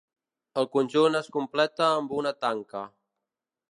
El conjunt es completa amb una tanca.